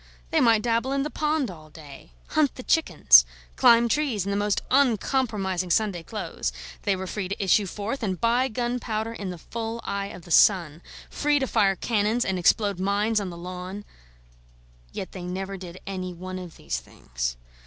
They might dabble in the pond all day, hunt the chickens, climb trees in the most uncompromising Sunday clothes; they were free to issue forth and buy gunpowder in the full eye of the sun free to fire cannons and explode mines on the lawn: yet they never did any one of these things.